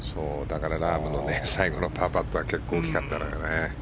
ラームの最後のパーパットが大きかったのよね。